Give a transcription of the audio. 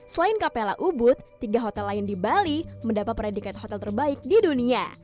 selain kapela ubud tiga hotel lain di bali mendapat predikat hotel terbaik di dunia